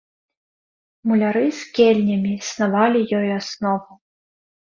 Муляры з кельнямі снавалі ёй аснову.